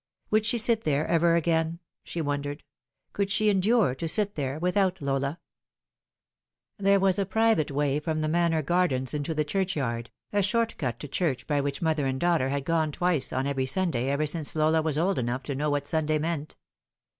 Would she sit there ever again ? she wondered : could she endure to sit there without Lola ? There was a private way from the Manor gardens into the churchyard, a short cut to church by which mother and daughter had gone twice on every Sunday ever since Lola was old enough to know what Sunday meant.